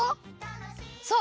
そう！